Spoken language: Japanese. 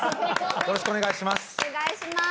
よろしくお願いします